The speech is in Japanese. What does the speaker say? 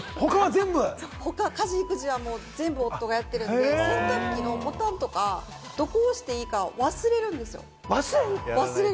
家事・育児は全部夫がやっているんで、洗濯機のボタンとか、どこを押していいか忘れるんですよ。